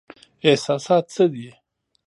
احساسات څه دي؟